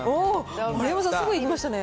丸山さん、すぐいきましたね。